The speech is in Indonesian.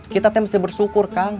kita mesti bersyukur kang